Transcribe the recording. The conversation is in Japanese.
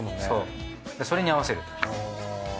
そうそれに合わせる。